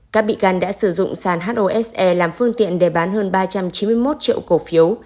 các bị can đã sử dụng sàn hose làm phương tiện để bán hơn ba trăm chín mươi một triệu cổ phiếu